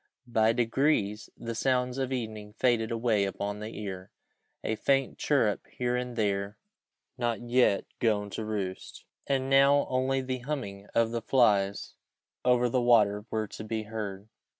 By degrees, the sounds of evening faded away upon the ear; a faint chirrup here and there from the few birds not yet gone to roost, and now only the humming of the flies over the water were to be heard.